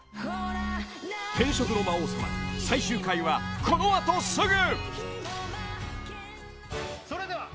［『転職の魔王様』最終回はこの後すぐ］